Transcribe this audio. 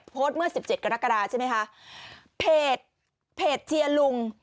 โพสต์เมื่อ๑๗กรกฎาใช่ไหมคะเพจเพจเจียร์ลุง